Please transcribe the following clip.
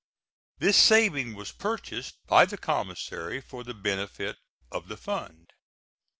This saving was purchased by the commissary for the benefit of the fund.